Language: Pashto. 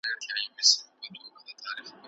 په ګڼه ګوڼه کې احتیاط وکړئ.